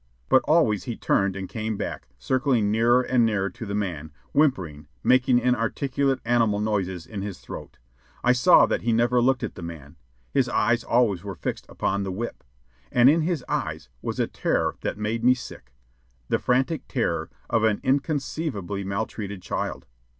But always he turned and came back, circling nearer and nearer to the man, whimpering, making inarticulate animal noises in his throat. I saw that he never looked at the man. His eyes always were fixed upon the whip, and in his eyes was a terror that made me sick the frantic terror of an inconceivably maltreated child.